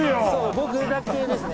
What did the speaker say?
僕だけですね。